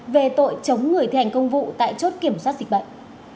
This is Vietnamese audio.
về tội chống người thi hành công vụ tại chốt kiểm soát dịch bệnh